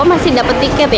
oh masih dapat tiket ya